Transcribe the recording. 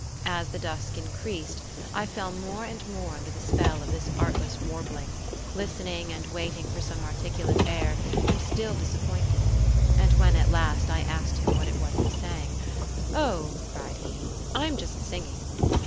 As the dusk increased, I fell more and more under the spell of this artless warbling, listening and waiting for some articulate air, and still disappointed; and when at last I asked him what it was he sang—"O," cried he, "I am just singing!"